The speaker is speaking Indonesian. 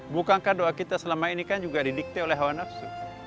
bukankah doa kita selama ini kan juga didikti oleh hawa nafsu